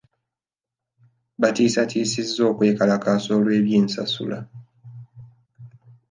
Baatiisatiisizza okwekalakaasa olw'eby'ensasula.